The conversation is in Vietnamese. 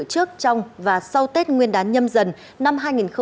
trước trong và sau tết nguyên đán nhâm dần năm hai nghìn hai mươi